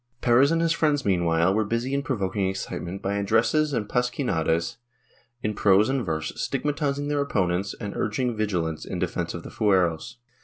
Perez and his friends meanwhile were busy in provoking excite ment by addresses and pasquinades in prose and verse, stigmatiz ing their opponents and urging vigilance in defence of the fueros.